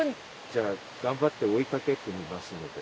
じゃあ頑張って追いかけっこしますので。